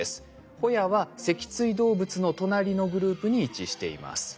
ホヤは脊椎動物の隣のグループに位置しています。